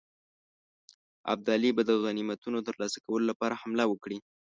ابدالي به د غنیمتونو ترلاسه کولو لپاره حمله وکړي.